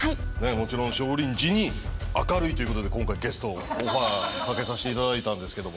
もちろん少林寺に明るいということで今回ゲストのオファーかけさして頂いたんですけども。